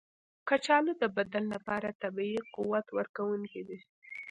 کچالو د بدن لپاره طبیعي قوت ورکونکی دی.